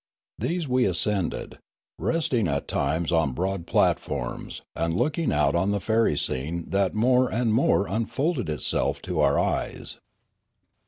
These we ascended, resting at times on broad platforms, and looking out on the fairy scene that more and more unfolded itself to our eyes.